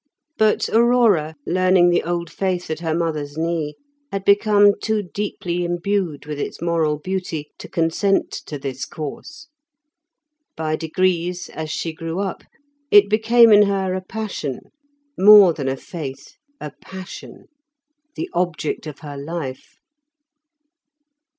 But Aurora, learning the old faith at her mother's knee, had become too deeply imbued with its moral beauty to consent to this course. By degrees, as she grew up, it became in her a passion; more than a faith, a passion; the object of her life.